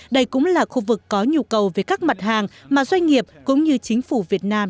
đây cũng là khu vực có nhu cầu về các mặt hàng mà doanh nghiệp cũng như chính phủ việt nam